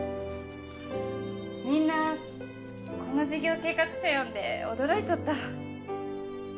みんなこの事業計画書読んで驚いとった。